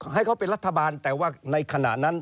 ให้เขาเป็นรัฐบาลแต่ว่าในขณะนั้น